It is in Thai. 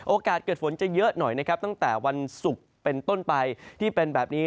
โอกาสเกิดฝนจะเยอะหน่อยนะครับตั้งแต่วันศุกร์เป็นต้นไปที่เป็นแบบนี้